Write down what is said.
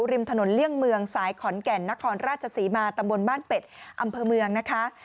ริมถนนเลี่ยงเมืองสายขอนแก่นนครราชศรีมาตำบลบ้านเป็ดอำเภอเมืองนะคะ